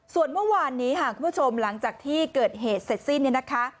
ส่วนเมื่อวานนี้ค่ะคุณผู้ชมหลังจากที่เกิดเหตุเสร็จสิ้นเนี่ยนะคะ